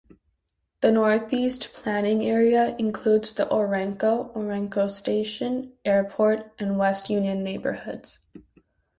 The northeast planning area includes the Orenco, Orenco Station, Airport, and West Union neighborhoods.